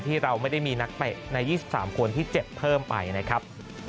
ที่เราไม่ได้มีนักเตะใน๒๓คนที่เจ็บเพิ่มไปนะครับ